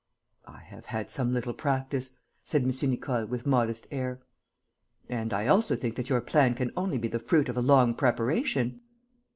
"I have had some little practice," said M. Nicole, with modest air. "And I also think that your plan can only be the fruit of a long preparation."